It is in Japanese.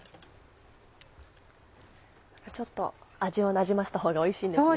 ちょっと味をなじませた方がおいしいんですね。